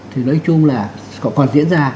thì nói chung là còn diễn ra